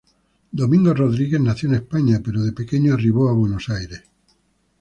Domingo Rodríguez nació en España pero de pequeño arribó a Buenos Aires.